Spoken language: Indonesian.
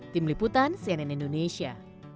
tim liputan cnn indonesia